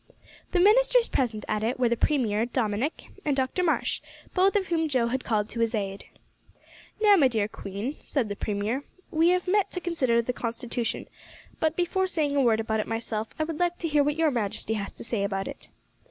The ministers present at it were the premier, Dominick and Dr Marsh, both of whom Joe had called to his aid. "Now, my dear queen," said the premier, "we have met to consider the constitution; but before saying a word about it myself, I would like to hear what your majesty has to say about it."